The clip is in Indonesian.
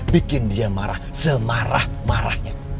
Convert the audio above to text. bikin dia marah semarah marahnya